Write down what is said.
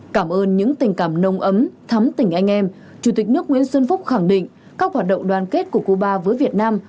cảm ơn những tình cảm nồng ấm thắm tỉnh anh em chủ tịch nước nguyễn xuân phúc khẳng định các hoạt động đoàn kết của cuba với việt nam